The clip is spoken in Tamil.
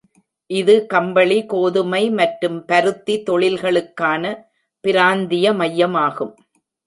இது கம்பளி, கோதுமை மற்றும் பருத்தி தொழில்களுக்கான பிராந்திய மையமாகும்.